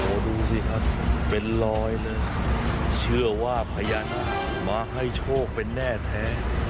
โอ้โหดูสิครับเป็นรอยเลยเชื่อว่าพญานาคมาให้โชคเป็นแน่แท้